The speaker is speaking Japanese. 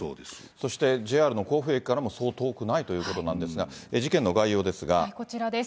そして、ＪＲの甲府駅からもそう遠くないということなんですこちらです。